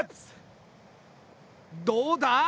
どうだ？